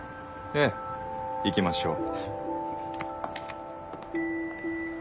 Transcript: ええ行きましょう。